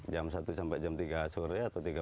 jam satu sampai jam tiga sore atau